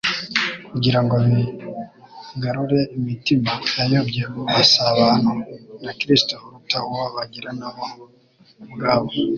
kugira ngo bigarure imitima yayobye mu musabano na Kristo uruta uwo bagirana bo ubwabo.